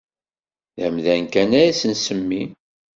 D amdan kan ad s-nsemmi.